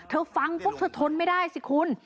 ฟังปุ๊บเธอทนไม่ได้สิคุณ